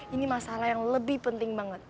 ini masalah yang lebih penting banget